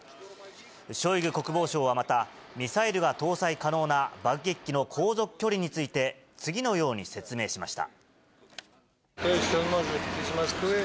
ショイグ国防相はまた、ミサイルが搭載可能な爆撃機の航続距離について、次のように説明しました。